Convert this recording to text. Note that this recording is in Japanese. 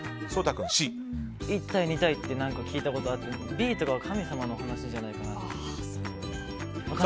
一体、二体って聞いたことあってＢとかは神様の話じゃないかな。